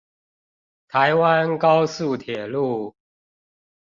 台灣高速鐵路